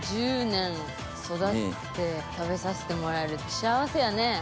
１０年育てて食べさせてもらえるって幸せやね。